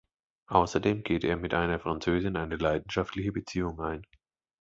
Außerdem geht er mit einer Französin eine leidenschaftliche Beziehung ein.